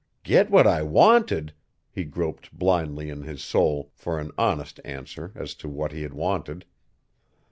"Get what I wanted?" he groped blindly in his soul for an honest answer as to what he had wanted.